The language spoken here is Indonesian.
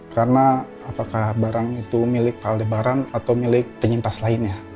karena apakah barang itu milik pak adebaran atau milik penyintas lainnya